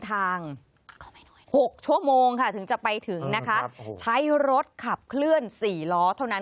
๖ชั่วโมงค่ะถึงจะไปถึงนะคะใช้รถขับเคลื่อน๔ล้อเท่านั้น